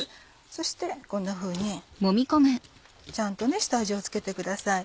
そしてこんなふうにちゃんと下味を付けてください。